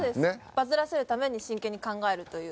バズらせるために真剣に考えるという。